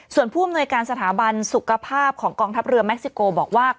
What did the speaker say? ส่วนผู้อำนวยการสถาบันสุขภาพของกองทัพเรือเม็กซิโกบอกว่า